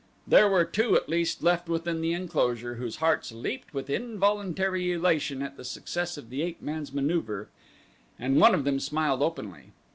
There were two at least left within the enclosure whose hearts leaped with involuntary elation at the success of the ape man's maneuver, and one of them smiled openly.